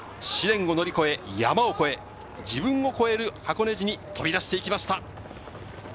試練を乗り越え、山を越え、自分を超える箱根路に飛び出していきました。